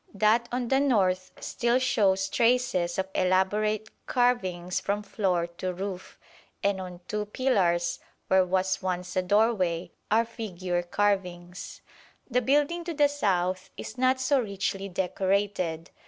That on the north still shows traces of elaborate carvings from floor to roof, and on two pillars, where was once a doorway, are figure carvings. The building to the south is not so richly decorated.